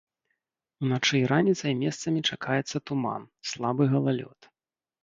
Уначы і раніцай месцамі чакаецца туман, слабы галалёд.